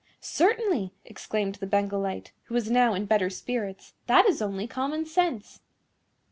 "Certainly," exclaimed the Bengal Light, who was now in better spirits; "that is only common sense."